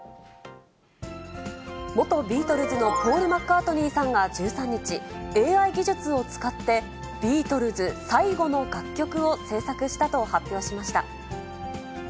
元ビートルズのポール・マッカートニーさんが１３日、ＡＩ技術を使って、ビートルズ最後の楽曲を制作したと発表しました。